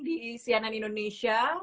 di sianan indonesia